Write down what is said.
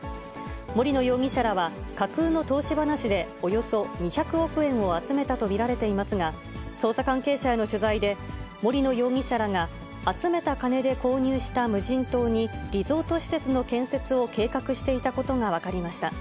森野容疑者らは、架空の投資話でおよそ２００億円を集めたと見られていますが、捜査関係者への取材で、森野容疑者らが、集めた金で購入した無人島に、リゾート施設の建設を計画していたことが分かりました。